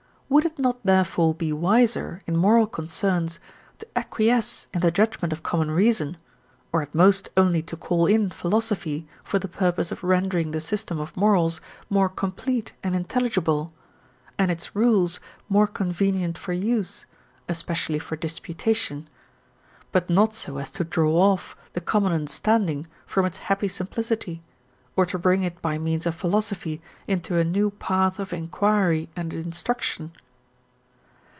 Would it not therefore be wiser in moral concerns to acquiesce in the judgement of common reason, or at most only to call in philosophy for the purpose of rendering the system of morals more complete and intelligible, and its rules more convenient for use (especially for disputation), but not so as to draw off the common understanding from its happy simplicity, or to bring it by means of philosophy into a new path of inquiry and instruction?